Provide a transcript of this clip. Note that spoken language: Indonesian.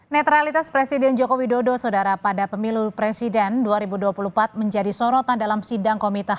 netralitas presiden joko widodo saudara pada pemilu presiden dua ribu dua puluh empat menjadi sorotan dalam sidang komunitas